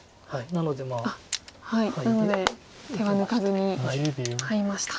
なので手は抜かずにハイました。